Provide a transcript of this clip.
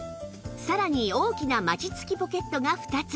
さらに大きなマチ付きポケットが２つ